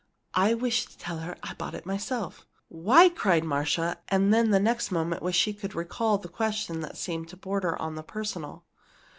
"I wish to tell her I bought it myself." "Why?" cried Marcia, and then the next moment wished she could recall a question that seemed to border on the personal.